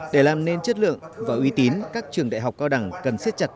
để làm nên chất lượng và uy tín các trường đại học cao đẳng cần xếp chặt